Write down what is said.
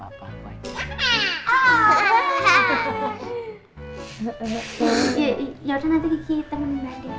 ya udah nanti kiki temen mbak adine